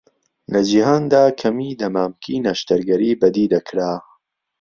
لە جیهاندا کەمی دەمامکی نەشتەرگەری بەدیدەکرا.